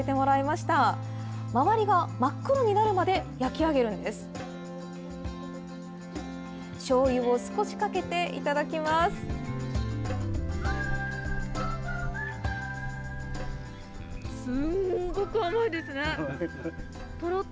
しょうゆを少しかけて頂きます。